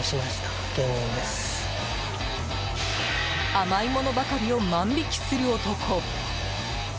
甘い物ばかりを万引きする男。